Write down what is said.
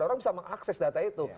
orang bisa mengakses data itu